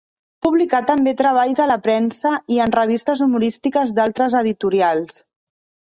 Publicà també treballs a la premsa i en revistes humorístiques d'altres editorials.